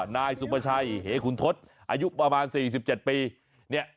นายซุบับชัยเฮคุณทศอายุประมาน๔๗ปี